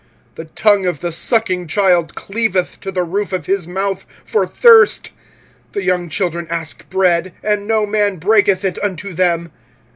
25:004:004 The tongue of the sucking child cleaveth to the roof of his mouth for thirst: the young children ask bread, and no man breaketh it unto them.